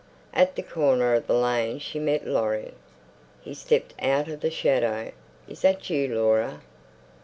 At the corner of the lane she met Laurie. He stepped out of the shadow. "Is that you, Laura?"